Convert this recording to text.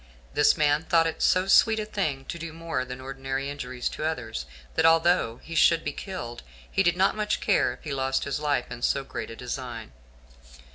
This man thought it so sweet a thing to do more than ordinary injuries to others, that although he should be killed, he did not much care if he lost his life in so great a design.